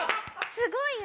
すごいよ！